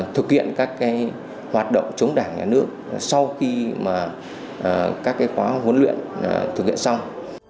thực hiện các hoạt động chống đảng nhà nước sau khi các khóa huấn luyện thực hiện xong